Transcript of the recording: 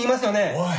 おい！